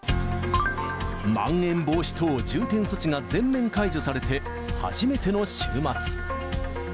まん延防止等重点措置が全面解除されて初めての週末。